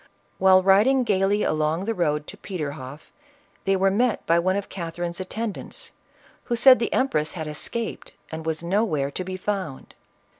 While riding gaily along the road to Pe terhofl", they were met by one of Catherine's attendants, who said the empress had escaped and was nowhere to be found.